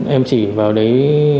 em chỉ vào đấy